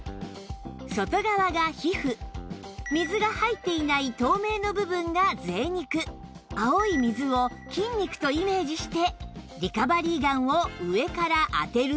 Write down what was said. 外側が皮膚水が入っていない透明の部分がぜい肉青い水を筋肉とイメージしてリカバリーガンを上から当てると